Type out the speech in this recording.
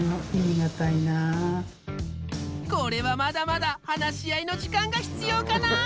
これはまだまだ話し合いの時間が必要かな？